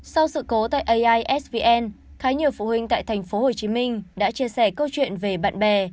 sau sự cố tại aisvn khá nhiều phụ huynh tại thành phố hồ chí minh đã chia sẻ câu chuyện về bạn bè